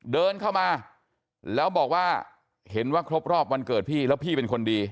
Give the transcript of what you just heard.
เดินเข้ามาแล้วบอกว่าเห็นว่าครบรอบวันเกิดพี่แล้วพี่เป็นคนดี